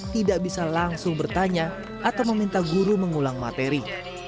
tidak bisa langsung bertanya atau meminta guru mengulang materi